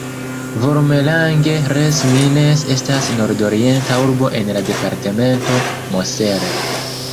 Volmerange-les-Mines estas nordorienta urbo en la departemento Moselle.